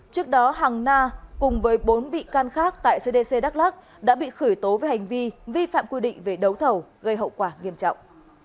trước đó hằng na cùng với bốn bị can khác tại cdc đắk lắc đã bị khởi tố về hành vi vi phạm quy định về đấu thầu gây hậu quả nghiêm trọng